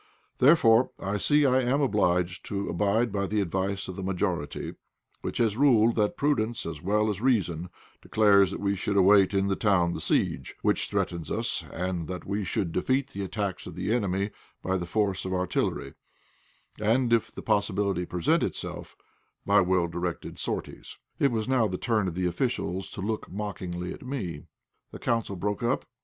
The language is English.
Therefore I see I am obliged to abide by the advice of the majority, which has ruled that prudence as well as reason declares that we should await in the town the siege which threatens us, and that we should defeat the attacks of the enemy by the force of artillery, and, if the possibility present itself, by well directed sorties." It was now the turn of the officials to look mockingly at me. The council broke up.